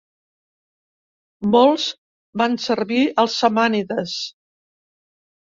Molts van servir als samànides.